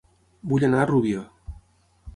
Vull anar a Rubió